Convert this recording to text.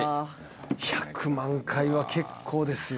１００万回は結構ですよ。